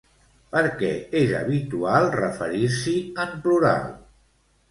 Per què és habitual referir-s'hi en plural?